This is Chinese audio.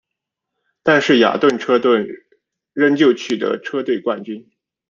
但是雅顿车队仍旧取得车队冠军。